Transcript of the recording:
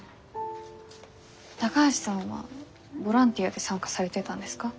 高橋さんはボランティアで参加されてたんですか？